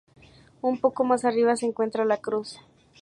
Un poco más arriba se encuentra La Cruz.